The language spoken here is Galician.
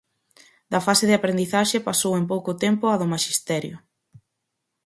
Da fase de aprendizaxe pasou en pouco tempo á do maxisterio.